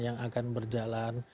yang akan berjalan